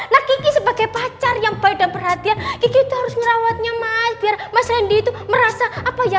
nah kiki sebagai pacar yang baik dan perhatian kiki itu harus merawatnya mas biar mas randy itu merasa apa ya